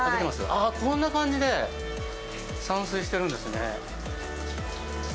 こんな感じで散水しているんですね。